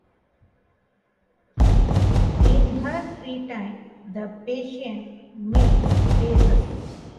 In her free time, the patient makes faces.